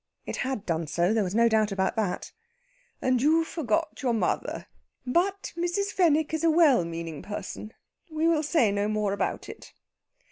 It had done so, there was no doubt about that. "And you forgot your mother. But Mrs. Fenwick is a well meaning person. We will say no more about it."